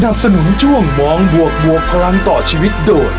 สนับสนุนช่วงมองบวกพลังต่อชีวิตโดด